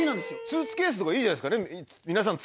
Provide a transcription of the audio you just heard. スーツケースとかいいんじゃないですかね。